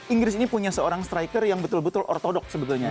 inggris ini punya seorang striker yang betul betul ortodok sebetulnya